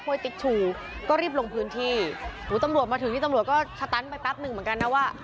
ติ๊ชชูก็รีบลงพื้นที่หูตำรวจมาถึงนี่ตำรวจก็สตันไปแป๊บหนึ่งเหมือนกันนะว่า